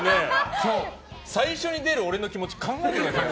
最初に出る俺の気持ち考えてくださいよ。